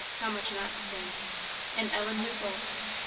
how much not the same! and Ellen knew both.